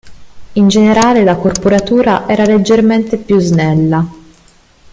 In generale, la corporatura era leggermente più snella.